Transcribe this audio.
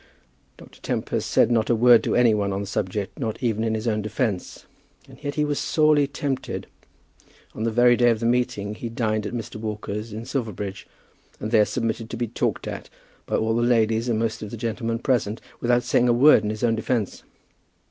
Dr. Tempest said not a word to any one on the subject, not even in his own defence. And yet he was sorely tempted. On the very day of the meeting he dined at Mr. Walker's in Silverbridge, and there submitted to be talked at by all the ladies and most of the gentlemen present, without saying a word in his own defence.